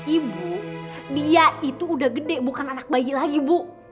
ibu dia itu udah gede bukan anak bayi lagi bu